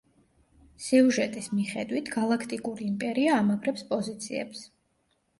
სიუჟეტის მიხედვით, გალაქტიკური იმპერია ამაგრებს პოზიციებს.